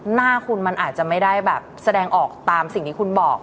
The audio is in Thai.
หน้าคุณมันอาจจะไม่ได้แบบแสดงออกตามสิ่งที่คุณบอก